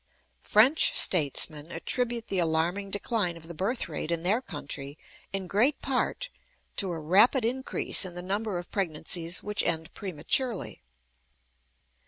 French statesmen attribute the alarming decline of the birth rate in their country, in great part, to a rapid increase in the number of pregnancies which end prematurely.